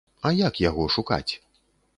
А як яго шукаць?